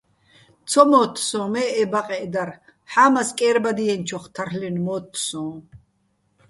ცო მოთთ სოჼ მე ე ბაყეჸ დარ, ჰ̦ამას კერბადიენჩოხ თარლ'ენო̆ მოთთ სოჼ.